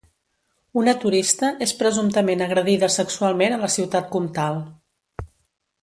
Una turista és presumptament agredida sexualment a la Ciutat Comtal